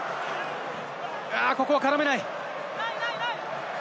ここは絡めない。